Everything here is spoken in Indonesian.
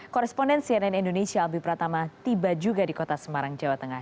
koresponden cnn indonesia albi pratama tiba juga di kota semarang jawa tengah